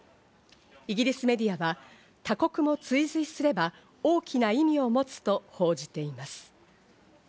イギリスメディアは他国も追随すれば大きな意味を持つと報じています。